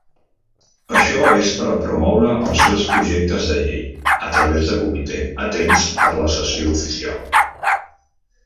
Això és per promoure els seus projectes de llei a través de comitè a temps per a la sessió oficial.